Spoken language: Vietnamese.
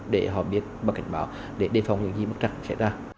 để họ biết bằng cảnh báo để đề phòng những gì mất trạng xảy ra